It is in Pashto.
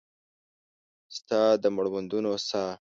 ستا د مړوندونو ساه